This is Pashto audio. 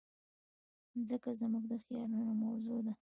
مځکه زموږ د خیالونو موضوع ده.